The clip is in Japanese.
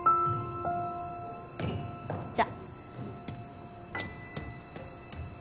じゃ。